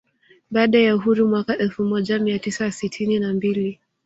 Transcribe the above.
Baada ya uhuru mwaka elfu moja mia tisa sitini na mbili